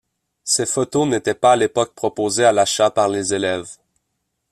Ces photos n'étaient pas à l'époque proposées à l'achat par les élèves.